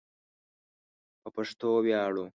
په پښتو ویاړو